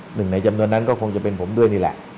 หนึ่งในจำนวนนั้นก็คงจะเป็นผมด้วยนี่แหละ